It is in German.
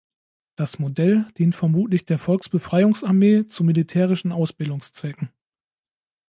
Das Modell dient vermutlich der Volksbefreiungsarmee zu militärischen Ausbildungszwecken.